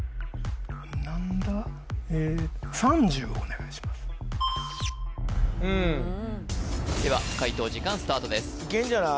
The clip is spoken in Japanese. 何だお願いしますでは解答時間スタートですいけんじゃない？